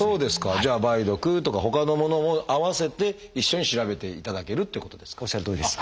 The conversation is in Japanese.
じゃあ梅毒とかほかのものも併せて一緒に調べていただけるってことですか？